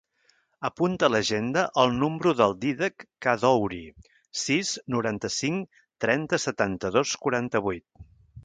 Apunta a l'agenda el número del Dídac Kaddouri: sis, noranta-cinc, trenta, setanta-dos, quaranta-vuit.